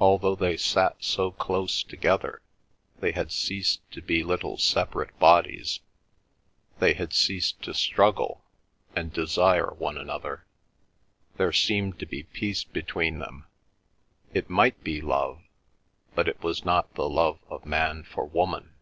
Although they sat so close together, they had ceased to be little separate bodies; they had ceased to struggle and desire one another. There seemed to be peace between them. It might be love, but it was not the love of man for woman.